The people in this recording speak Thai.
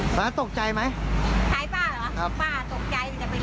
คาดว่าน่าจะเกิดเพราะอะไร